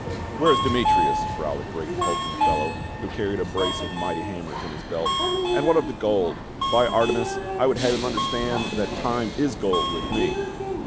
"Where is Demetrius?" growled a great hulking fellow, who carried a brace of mighty hammers in his belt. " And what of the gold ? By Artemis, I would have him understand that time is gold with me."